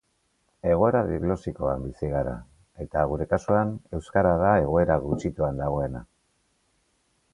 Egoera diglosikoan bizi gara, eta gure kasuan euskara da egoera gutxituan dagoena.